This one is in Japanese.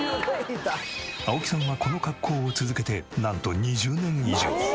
青木さんはこの格好を続けてなんと２０年以上。